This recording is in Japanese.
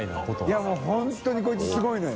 いもう本当にこいつすごいのよ。